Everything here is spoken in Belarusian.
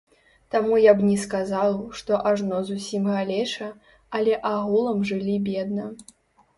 Таму я б не сказаў, што ажно зусім галеча, але агулам жылі бедна.